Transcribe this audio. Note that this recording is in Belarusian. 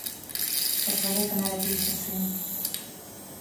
У чалавека нарадзіўся сын.